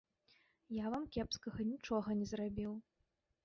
Я вам кепскага нічога не зрабіў.